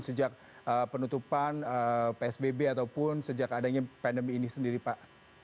sejak penutupan psbb ataupun sejak adanya pandemi ini sendiri pak